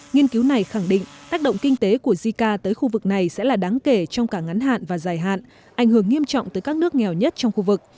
nghiên cứu này khẳng định tác động kinh tế của jica tới khu vực này sẽ là đáng kể trong cả ngắn hạn và dài hạn ảnh hưởng nghiêm trọng tới các nước nghèo nhất trong khu vực